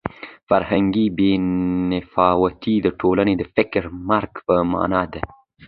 فرهنګي بې تفاوتي د ټولنې د فکري مرګ په مانا ده.